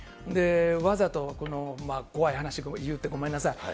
わざと怖い話言うてごめんなさい。